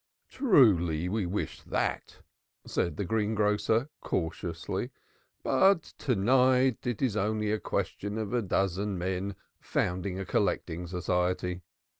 "Truly we wish that," said the greengrocer cautiously. "But to night it is only a question of a dozen men founding a collecting society."